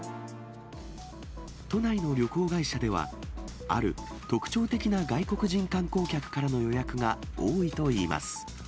都内の旅行会社では、ある特徴的な外国人観光客からの予約が多いといいます。